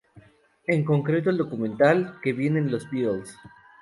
En concreto el documental "¡¡Que Vienen Los Beatles!!